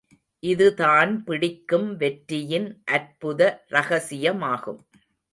இதுதான் பிடிக்கும் வெற்றியின் அற்புத ரகசியமாகும்.